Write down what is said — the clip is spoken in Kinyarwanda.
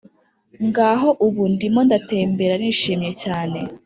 ngaho ubu, ndimo ndatembera nishimye cyane